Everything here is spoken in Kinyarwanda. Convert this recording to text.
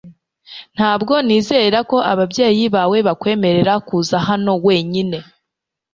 Ntabwo nizera ko ababyeyi bawe bakwemerera kuza hano wenyine